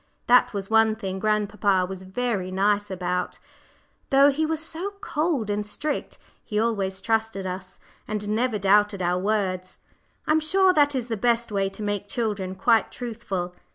That was one thing grandpapa was very nice about; though he was so cold and strict, he always trusted us, and never doubted our words. I'm sure that is the best way to make children quite truthful.